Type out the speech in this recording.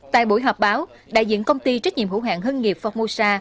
tại buổi họp báo đại diện công ty trách nhiệm hữu hạng hưng nghiệp formosa